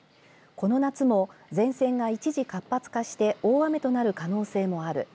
この夏も前線が一時活発化して大雨となる可能性もある。